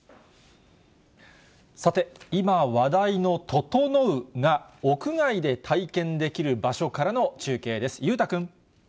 さて、今話題のととのうが、屋外で体験できる場所からの中継です。